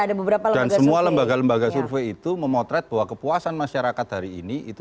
ada beberapa dan semua lembaga lembaga survei itu memotret bahwa kepuasan masyarakat hari ini itu